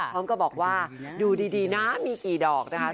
พร้อมกับบอกว่าดูดีนะมีกี่ดอกนะคะ